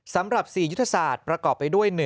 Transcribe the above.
สำหรับ๔ยุทธศาสตร์ประกอบไปด้วย๑